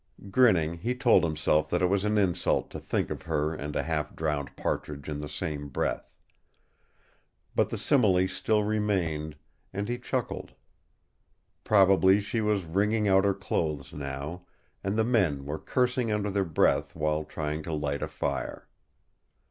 Grinning, he told himself that it was an insult to think of her and a half drowned partridge in the same breath. But the simile still remained, and he chuckled. Probably she was wringing out her clothes now, and the men were cursing under their breath while trying to light a fire.